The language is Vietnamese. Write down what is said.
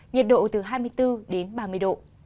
nhiệt độ từ hai mươi bốn đến ba mươi độ